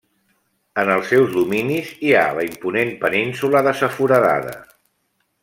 En els seus dominis hi ha la imponent península de Sa Foradada.